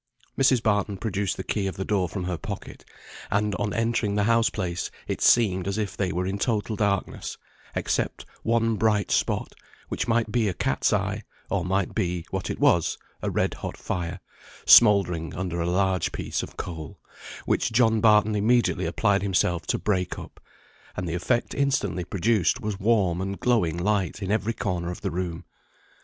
Mrs. Barton produced the key of the door from her pocket; and on entering the house place it seemed as if they were in total darkness, except one bright spot, which might be a cat's eye, or might be, what it was, a red hot fire, smouldering under a large piece of coal, which John Barton immediately applied himself to break up, and the effect instantly produced was warm and glowing light in every corner of the room.